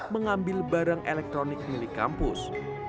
mengambil barang elektronik milik kampus